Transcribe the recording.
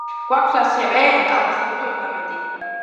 გვაქვს ასევე ტალღისებური ორნამენტი.